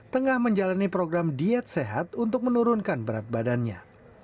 tengah menjalani program diet sehat untuk menurunkan berat badannya